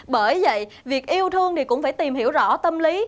bởi vậy việc yêu thương thì cũng phải tìm hiểu rõ tâm lý